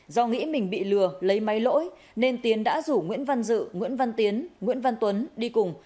do nghĩ mình bị lừa lấy máy lỗi nên tiến đã rủ nguyễn văn dự nguyễn văn tiến nguyễn văn tuấn đi cùng